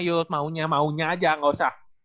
yud maunya maunya aja gak usah